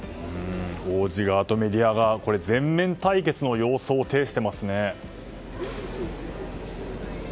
王子側とメディア側全面対決の様相を呈してますね。